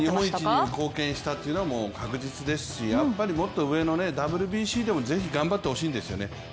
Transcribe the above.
日本一に貢献したっていうのは確実ですしやっぱりもっと上のＷＢＣでも是非頑張ってほしいんですよね。